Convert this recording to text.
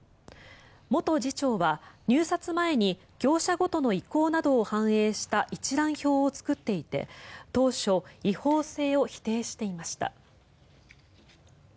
元次長は入札前に業者ごとの意向などを反映した一覧表を作っていて当初違法性を否定していました。